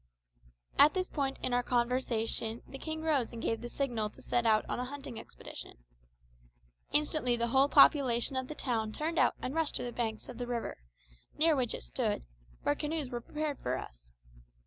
At this point in our conversation the king rose and gave the signal to set out on the hunting expedition. Instantly the whole population of the town turned out and rushed to the banks of the river, near which it stood, where canoes were prepared for us.